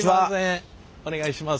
お願いします。